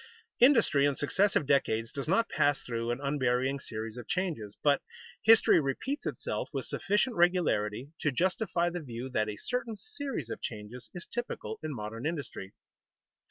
_ Industry in successive decades does not pass through an unvarying series of changes, but history repeats itself with sufficient regularity to justify the view that a certain series of changes is typical in modern industry.